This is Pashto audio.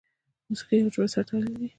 موسیقي او ژبه سره تړلي دي.